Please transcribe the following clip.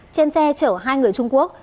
trên xe chở hai người trung quốc